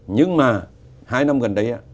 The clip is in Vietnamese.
nhưng mà hai năm gần đây